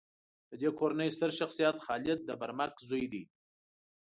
د دې کورنۍ ستر شخصیت خالد د برمک زوی دی.